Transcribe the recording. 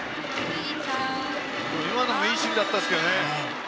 今のもいい守備だったんですけどね。